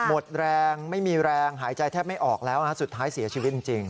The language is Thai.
หมดแรงไม่มีแรงหายใจแทบไม่ออกแล้วสุดท้ายเสียชีวิตจริง